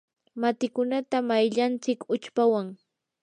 matikunata mayllantsik uchpawan.